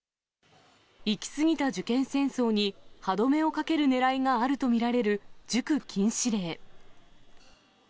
行き過ぎた受験戦争に歯止めをかけるねらいがあると見られる、塾禁止令。